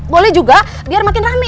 boleh juga biar makin rame